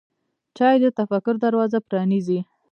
چای د تفکر دروازه پرانیزي.